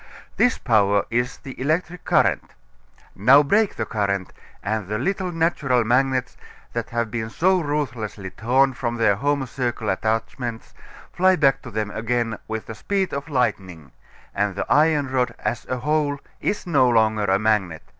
This power is the electric current. Now break the current, and the little natural magnets, that have been so ruthlessly torn from their home circle attachments, fly back to them again with the speed of lightning, and the iron rod as a whole is no longer a magnet.